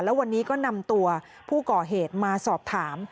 แล้ววันนี้ก็นำตัวผู้ก่อเหตุมาสอบถาม